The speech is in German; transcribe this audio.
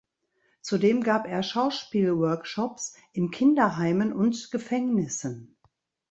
Zudem gab er Schauspielworkshops in Kinderheimen und Gefängnissen.